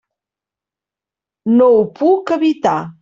No ho puc evitar.